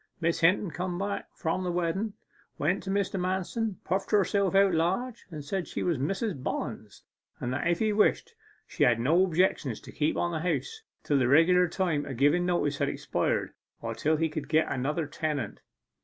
Miss Hinton came back from the wedden, went to Mr. Manston, puffed herself out large, and said she was Mrs. Bollens, but that if he wished, she had no objection to keep on the house till the regular time of giving notice had expired, or till he could get another tenant.